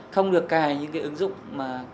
không được cài những ứng dụng mà